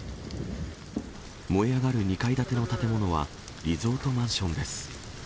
燃え上がる２階建ての建物はリゾートマンションです。